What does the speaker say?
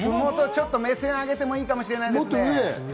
ちょっと目線を上げてもいいかもしれないですね。